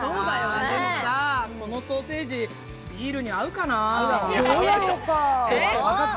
でもさ、このソーセージ、ビールに合うかな？